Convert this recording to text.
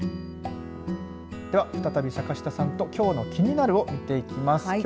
では、再び坂下さんときょうのキニナル！を見ていきます。